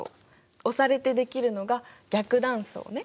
押されてできるのが逆断層ね。